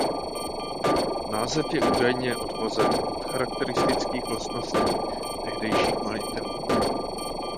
Název je údajně odvozen od charakteristických vlastností tehdejších majitelů.